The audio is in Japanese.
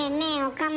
岡村。